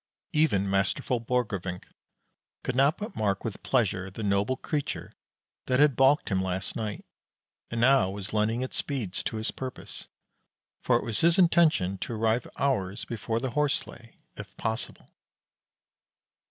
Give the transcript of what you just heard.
Even masterful Borgrevinck could not but mark with pleasure the noble creature that had balked him last night and now was lending its speed to his purpose; for it was his intention to arrive hours before the horse sleigh, if possible.